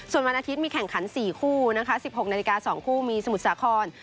ส่วนวันอาทิตย์มีแข่งขัน๔คู่นะคะ๑๖นาฬิกา๒คู่มีสมุทรสาคร